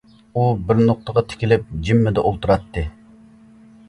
ئۇ بىر نۇقتىغا تىكىلىپ جىممىدە ئولتۇراتتى.